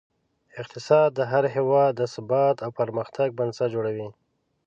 اقتصاد د هر هېواد د ثبات او پرمختګ بنسټ جوړوي.